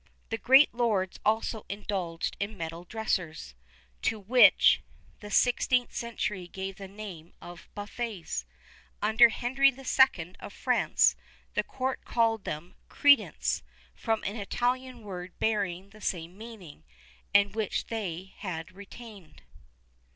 [XXXI 23] The great lords also indulged in metal dressers,[XXXI 24] to which the 16th century gave the name of "buffets." Under Henry II. of France the court called them crédence, from an Italian word bearing the same meaning,[XXXI 25] and which they have retained.